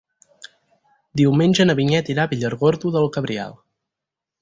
Diumenge na Vinyet irà a Villargordo del Cabriel.